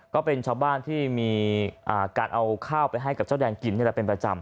ก็เป็นชาวบ้านที่มีการเอาข้าวไปให้กับเจ้าแดงกินนี่แหละเป็นประจำ